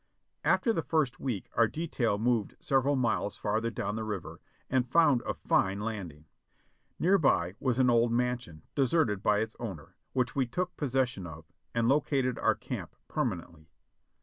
After the first week our detail moved several miles farther down the river and found a fine landing. Near by was an old mansion, deserted by its owner, which we took possession of, and located our camp permanently.